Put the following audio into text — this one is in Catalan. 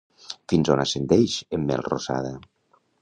Fins on ascendeix en Melrosada?